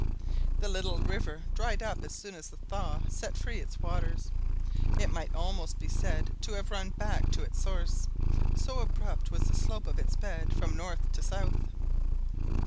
The little river dried up as soon as the thaw set free its waters. It might almost be said to have run back to its source, so abrupt was the slope of its bed from north to south.